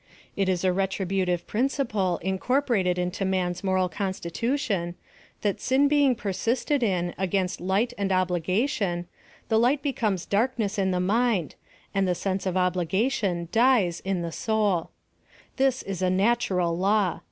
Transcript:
It is a retributive principle incorporated into man's moral constitution, that sin being persisted in against light and obligation, the liglit becomes darkness in the mind, and the sense of obligation dies in the souL This is a natural law.